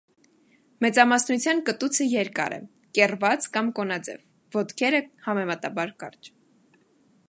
Մեծամասնության կտուցը երկար է՝ կեռված կամ կոնաձև, ոտքերը՝ համեմատաբար կարճ։